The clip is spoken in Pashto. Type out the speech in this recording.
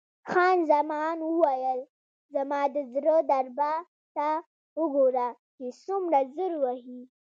خان زمان وویل: زما د زړه دربا ته وګوره چې څومره زر وهي.